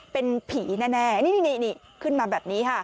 เป็นผีแน่นี่ขึ้นมาแบบนี้ค่ะ